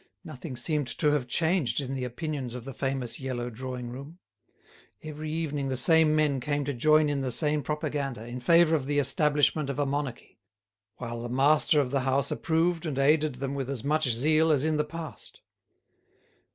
Nothing seemed to have changed in the opinions of the famous yellow drawing room. Every evening the same men came to join in the same propaganda in favour of the establishment of a monarchy, while the master of the house approved and aided them with as much zeal as in the past.